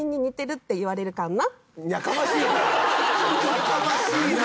やかましいな！